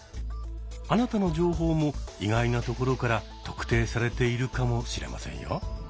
あなたの情報も意外なところから「特定」されているかもしれませんよ。